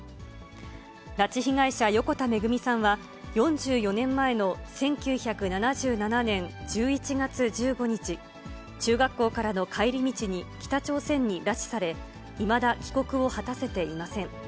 拉致被害者、横田めぐみさんは、４４年前の１９７７年１１月１５日、中学校からの帰り道に北朝鮮に拉致され、いまだ帰国を果たせていません。